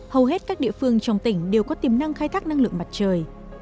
hầu hết các địa phương trong tỉnh đều có tiềm năng khai thác năng lượng mặt trời